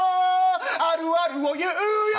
あるあるを言うよ